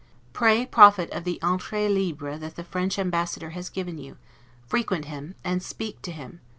Pray profit of the entrees libres that the French Ambassador has given you; frequent him, and SPEAK to him.